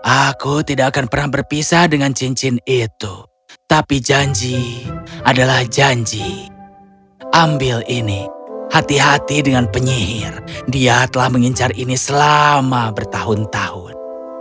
aku tidak akan pernah berpisah dengan cincin itu tapi janji adalah janji ambil ini hati hati dengan penyihir dia telah mengincar ini selama bertahun tahun